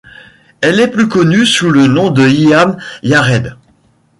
Elle est plus connue sous le nom de Hyam Yared.